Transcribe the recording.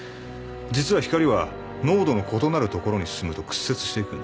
実は光は濃度の異なるところに進むと屈折していくんです。